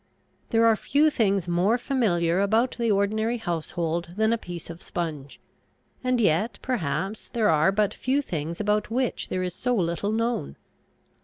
There are few things more familiar about the ordinary household than a piece of sponge, and yet, perhaps, there are but few things about which there is so little known.